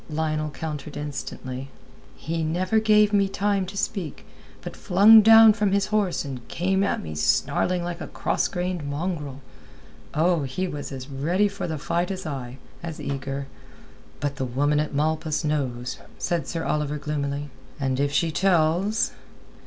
Lionel countered instantly. "He never gave me time to speak, but flung down from his horse and came at me snarling like a cross grained mongrel. Oh, he was as ready for the fight as I—as eager." "But the woman at Malpas knows," said Sir Oliver gloomily. "And if she tells...."